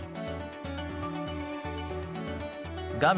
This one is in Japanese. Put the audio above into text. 画面